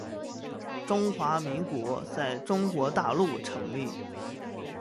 中华民国在中国大陆成立